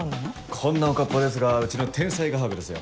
こんなおかっぱですがうちの天才画伯ですよ。